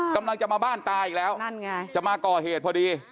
กำลังจะมาบ้านตาอีกแล้วนั่นไงจะมาก่อเหตุพอดี